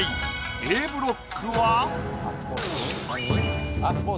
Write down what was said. Ａブロックは。